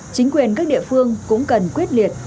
chính quyền các địa phương cũng cần quyết liệt